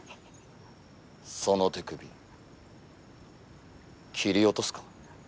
その手首斬り落とすか？